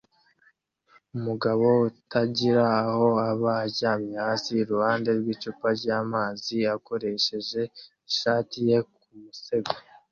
Umugabo utagira aho aba aryamye hasi iruhande rw'icupa ry'amazi akoresheje ishati ye ku musego